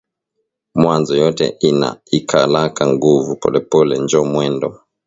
Mwanzo yote inaikalaka nguvu polepole njo mwendo